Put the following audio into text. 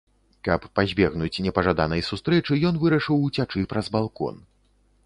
Каб пазбегнуць непажаданай сустрэчы ён вырашыў уцячы праз балкон.